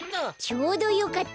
ちょうどよかった。